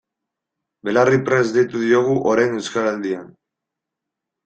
Belarriprest deitu diogu orain Euskaraldian.